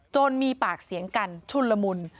มีปากเสียงกันชุนละมุน